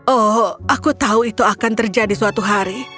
oh aku tahu itu akan terjadi suatu hari